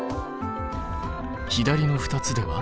左の２つでは？